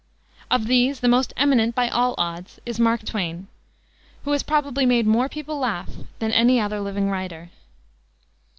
Of these the most eminent, by all odds, is Mark Twain, who has probably made more people laugh than any other living writer.